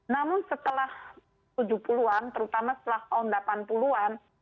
namun setelah tujuh puluh an terutama setelah tahun delapan puluh an